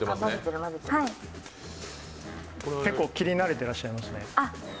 結構切り慣れていらっしゃいますね。